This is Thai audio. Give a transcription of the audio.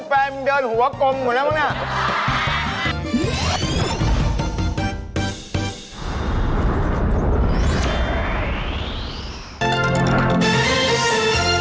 คือแฟนเดินหัวกรมหมดแล้วบ้างน่ะ